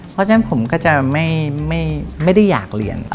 เพราะฉะนั้นผมก็จะไม่ได้อยากเรียน